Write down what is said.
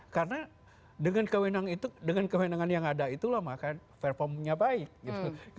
karena dengan kewenangan yang ada itulah maka performanya baik